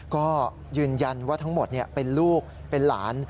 ก็ยืนยันว่าทั้งหมดเป็นลูกเป็นหลาน